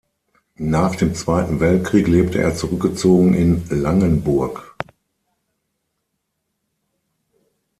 Nach dem Zweiten Weltkrieg lebte er zurückgezogen in Langenburg.